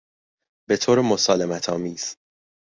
بطور مسالمت آمیز